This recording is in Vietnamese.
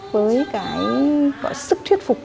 với cái gọi là sức thuyết phục